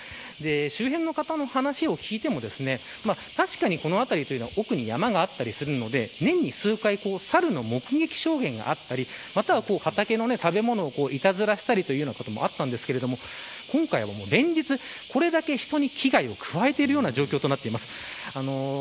周辺の方の話を聞いても確かに、この辺りというのは奥に山があったりするので年に数回サルの目撃証言があったりまたは畑の食べ物をいたずらしたりというようなこともあったんですけども今回は連日これだけ人に危害を加えているような状況になっています。